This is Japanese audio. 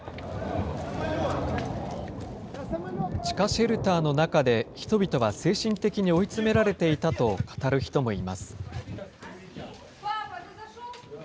地下シェルターの中で、人々は精神的に追い詰められていたと語る人もいます。